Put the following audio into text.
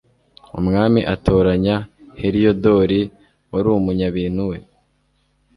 umwami atoranya heliyodori wari umunyabintu we